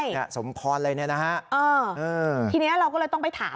สมพรอะไรเนี่ยนะฮะเออเออทีนี้เราก็เลยต้องไปถาม